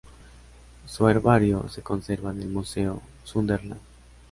Su herbario se conserva en el "Museo Sunderland".